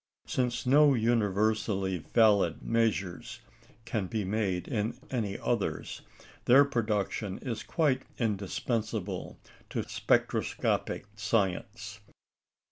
Since no universally valid measures can be made in any others, their production is quite indispensable to spectroscopic science.